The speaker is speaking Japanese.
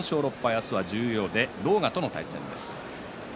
明日は十両で狼雅と対戦です。